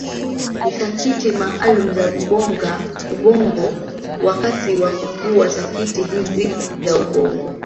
sakiti maalum za ubongo wakati wa kukua Sakiti hizi za ubongo